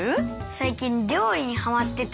最近料理にハマってて。